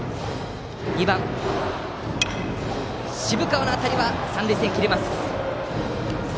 ２番の渋川の当たりは三塁線切れます。